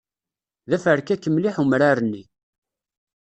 D aferkak mliḥ umrar-nni.